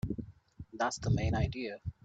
That's the main idea.